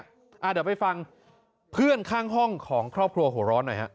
เดี๋ยวไปฟังเพื่อนข้างห้องของครอบครัวหัวร้อนหน่อยฮะ